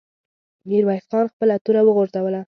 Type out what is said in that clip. ميرويس خان خپله توره وغورځوله.